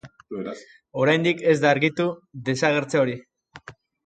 Oraindik ez da argitu desagertze hori.